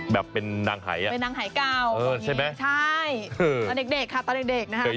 แบบเป็นนางหาย